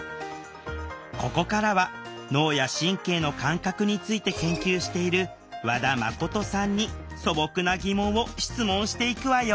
ここからは脳や神経の感覚について研究している和田真さんに素朴なギモンを質問していくわよ